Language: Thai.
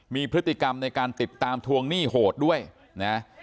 มีพฤติกรรมในการติดตามทวงหนี้โหดด้วยนะ